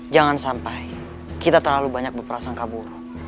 jangan sampai kita terlalu banyak berperasaan kabur